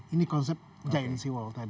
ini konsep giant sea wall time